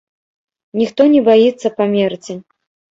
Ніхто не баіцца памерці.